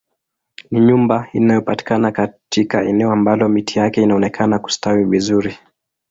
Ni nyumba inayopatikana katika eneo ambalo miti yake inaonekana kustawi vizuri